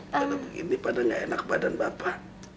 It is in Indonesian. kalau begini pada gak enak badan bapak